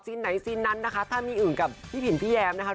ไหนซีนนั้นนะคะถ้ามีอื่นกับพี่ผินพี่แย้มนะคะ